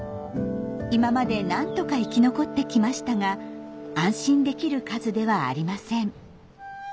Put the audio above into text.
今までなんとか生き残ってきましたが安心できる数ではありません。